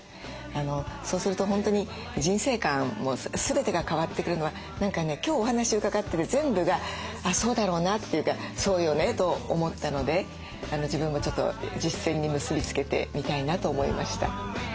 そうすると本当に人生観も全てが変わってくるのは何かね今日お話伺ってて全部が「あっそうだろうな」っていうか「そうよね」と思ったので自分もちょっと実践に結び付けてみたいなと思いました。